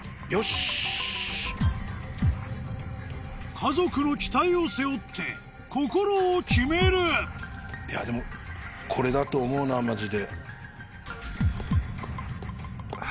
家族の期待を背負って心を決めるでもこれだと思うなマジで。